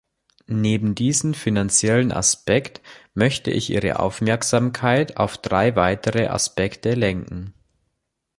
Neben diesem finanziellen Aspekt möchte ich Ihre Aufmerksamkeit auf drei weitere Aspekte lenken.